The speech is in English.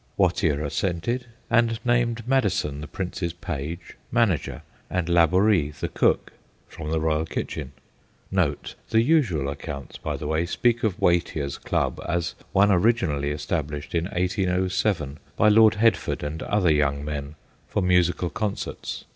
Wattier assented, and named Madison, the Prince's page, manager, and Labourie, the cook, from the royal kitchen/ (The usual accounts, by the way, speak of Watier's Club as one originally established, in 1807, by Lord Headford and other young men, for musical concerts.